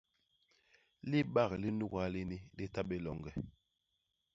Libak li nuga lini li ta bé loñge.